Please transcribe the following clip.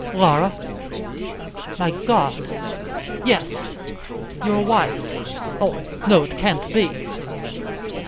"Laura? My God!" "Yes, your wife!" "Oh, no, it can't be.